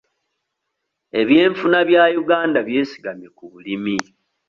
Ebyenfuna bya Uganda byesigamye ku bulimi.